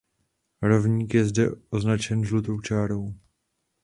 Rovník je zde označen žlutou čárou.